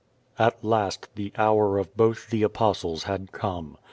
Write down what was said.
At last the hour of both the Apostles had come.